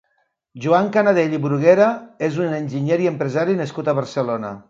Joan Canadell i Bruguera és un enginyer i empresari nascut a Barcelona.